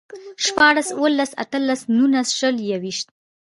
شپاړس، اووهلس، اتهلس، نولس، شل، يوويشت